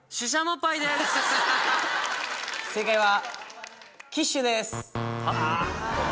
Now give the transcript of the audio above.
正解は。